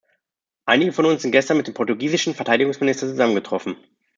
Einige von uns sind gestern mit dem portugiesischen Verteidigungsminister zusammengetroffen.